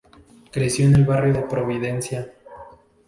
Creció en el barrio de Providencia.